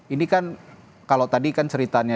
ini kan kalau tadi kan ceritanya